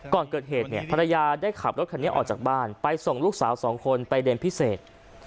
ก่อนเกิดเหตุเนี่ยภรรยาได้ขับรถคันนี้ออกจากบ้านไปส่งลูกสาวสองคนไปเรียนพิเศษ